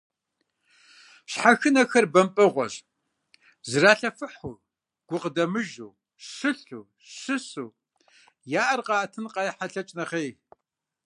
Щхьэхынэхэр бампӀэгъуэщ: зралъэфыхьу, гукъыдэмыжу, щылъу, щысу, я Ӏэр къаӀэтын къайхьэлъэкӀ нэхъей.